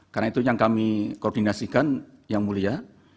karena itu yang kami koordinasikan yang mulia